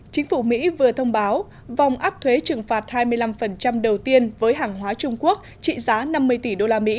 chính phủ mỹ vừa thông báo vòng áp thuế trừng phạt hai mươi năm đầu tiên với hàng hóa trung quốc trị giá năm mươi tỷ usd